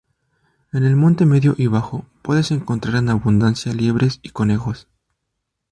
En el monte medio y bajo puedes encontrar en abundancia liebres y conejos.